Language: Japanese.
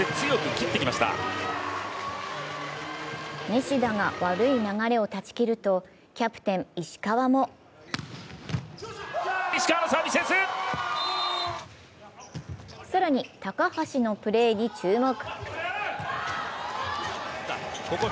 西田が悪い流れを断ち切るとキャプテン・石川も更に、高橋のプレーに注目。